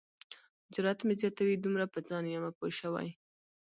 جرات مې زیاتوي دومره په ځان یمه پوه شوی.